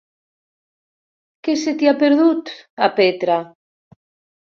Què se t'hi ha perdut, a Petra?